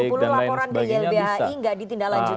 laporan di ilbhi nggak ditindak lanjutin